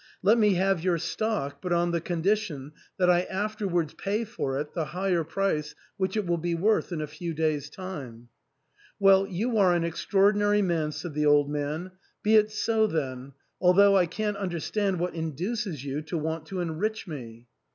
Let me have your stock, but on the condition that I afterwards pay for it the higher price which it will be worth in a few day's time." "Well, you are an extraordinary man," said the old man. "Be it so then ; although I can't understand what induces you to want to enrich me."